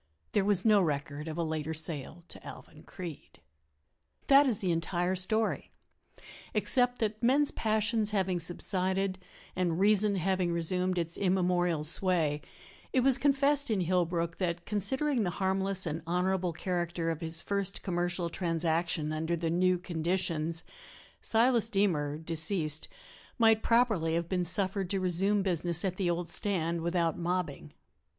There was no record of a later sale to Alvan Creede. That is the entire story except that men's passions having subsided and reason having resumed its immemorial sway, it was confessed in Hillbrook that, considering the harmless and honorable character of his first commercial transaction under the new conditions, Silas Deemer, deceased, might properly have been suffered to resume business at the old stand without mobbing.